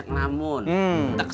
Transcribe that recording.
kajian rudy kan bagi